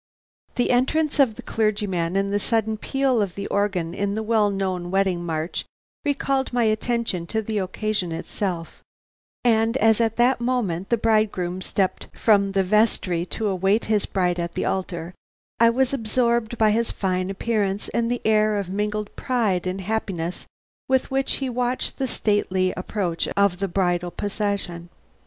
The entrance of the clergyman and the sudden peal of the organ in the well known wedding march recalled my attention to the occasion itself, and as at that moment the bridegroom stepped from the vestry to await his bride at the altar, I was absorbed by his fine appearance and the air of mingled pride and happiness with which he watched the stately approach of the bridal procession.